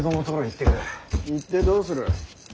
行ってどうする。